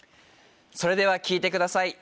それでは聴いてください